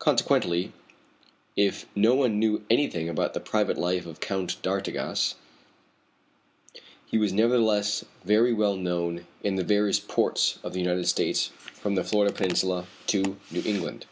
Consequently, if no one knew anything about the private life of Count d'Artigas, he was nevertheless very well known in the various ports of the United States from the Florida peninsula to New England.